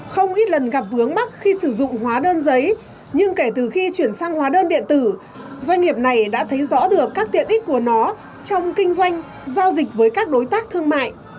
không ít lần gặp vướng mắt khi sử dụng hóa đơn giấy nhưng kể từ khi chuyển sang hóa đơn điện tử doanh nghiệp này đã thấy rõ được các tiện ích của nó trong kinh doanh giao dịch với các đối tác thương mại